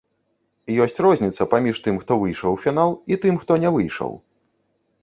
Ёсць розніца паміж тым, хто выйшаў у фінал, і тым, хто не выйшаў.